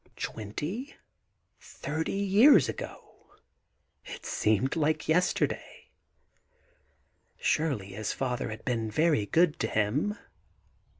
Twenty — thirty years ago! — it seemed like yester day. Surely his father had been very good to him!